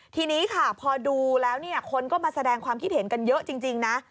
ทีนี้ค่ะพอดูแล้วเนี่ยคนก็มาแสดงความคิดเห็นกันเยอะจริงนะ